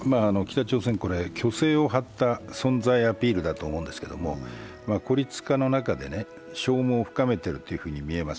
北朝鮮、虚勢を張った存在アピールだと思うんですけれど孤立化の中で消耗を深めているように見えます。